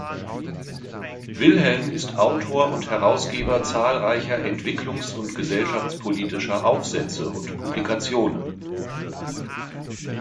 Wilhelm ist Autor und Herausgeber zahlreicher entwicklungs- und gesellschaftspolitischer Aufsätze und Publikationen.